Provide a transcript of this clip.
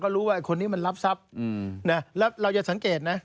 รู้ว่าไอคนนี้มันรับทรัพย์แล้วเราจะสังเกตนะ